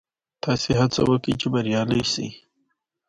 دا د لاشعور لپاره په تکراري زده کړو رامنځته کېږي